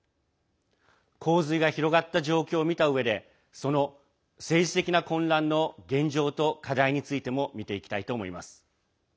洪水が広がった状況を見たうえでその政治的な混乱の現状と課題についても見ていきたいと思います。